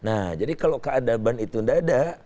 nah jadi kalau keadaban itu tidak ada